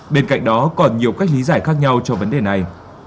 bên cạnh đó còn nhiều cách lý giải khác nhau cho vấn đề này